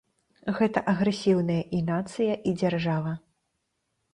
Гэта агрэсіўныя і нацыя, і дзяржава.